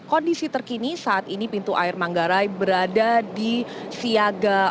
kondisi terkini saat ini pintu air manggarai berada di siaga empat